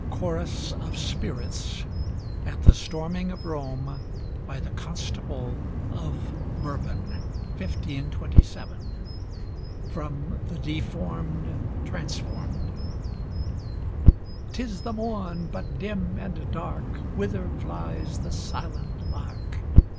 CHORUS OF SPIRITS At the Storming of Rome by the Constable of Bourbon, 1527 From 'The Deformed Transformed' 'Tis the morn, but dim and dark. Whither flies the silent lark?